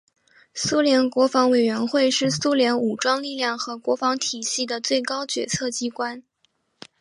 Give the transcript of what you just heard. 苏联国防委员会是苏联武装力量和国防体系的最高决策机关。